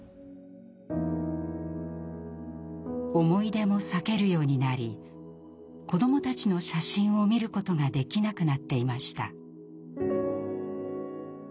思い出も避けるようになり子どもたちの写真を見ることができなくなっていました。